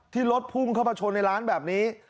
ที่รถภูมิเข้ามาชนในร้านแบบนี้